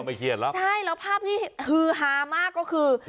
เครียดแล้วใช่แล้วภาพที่ฮือฮามากก็คือ